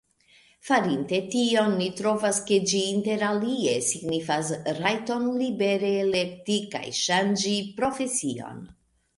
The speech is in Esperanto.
Farinte tion, ni trovas, ke ĝi interalie signifas rajton libere elekti kaj ŝanĝi profesion.